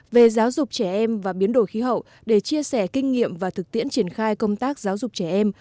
về giáo dục trẻ em và biến đổi khí hậu để chia sẻ kinh nghiệm và thực tiễn triển khai công tác giáo dục trẻ em